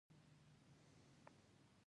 بوتل د رنګونو له مخې هم طبقه بندېږي.